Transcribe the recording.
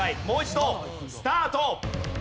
もう一度スタート。